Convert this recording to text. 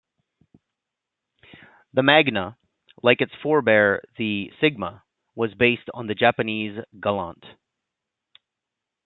The Magna, like its forebear the Sigma, was based on the Japanese Galant.